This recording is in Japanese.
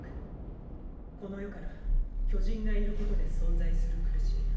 この世から巨人がいることで存在する苦しみが生じなくなるのです。